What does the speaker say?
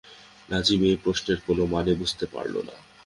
নাজিম এই প্রশ্নের কোনো মানে বুঝতে পারল না।